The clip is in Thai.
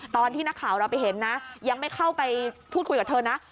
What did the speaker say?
ตอนที่นักข่าวเราไปเห็นนะยังไม่เข้าไปพูดคุยกับเธอนะ